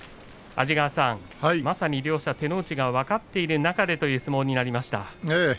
安治川さん両者手の内が分かっている中での相撲がありましたね。